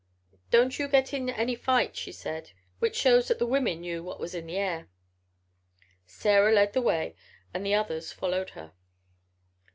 "'Don't you get in any fight,' she said, which shows that the women knew what was in the air. "Sarah led the way and the others followed her."